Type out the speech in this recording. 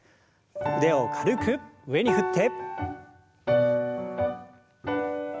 腕を軽く上に振って。